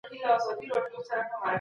خـــــو تــــه مــــــــي ژړوې